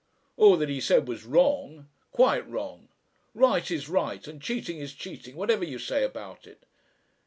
all that he said was wrong quite wrong. Right is right and cheating is cheating, whatever you say about it."